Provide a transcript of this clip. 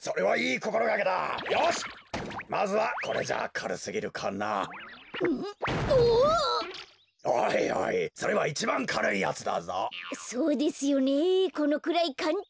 このくらいかんたんに。